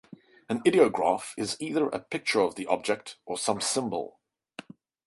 An ideograph is either a picture of the object or some symbol.